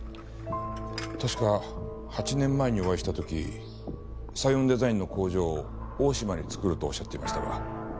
確か８年前にお会いした時サイオンデザインの工場を大島に作るとおっしゃっていましたが。